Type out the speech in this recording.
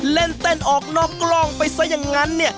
เล่นเต้นออกนอกกล้องไปซะอย่างนั้นเนี่ย